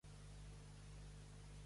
És limítrof amb Macedònia?